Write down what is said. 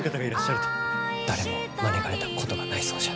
誰も招かれたことがないそうじゃ。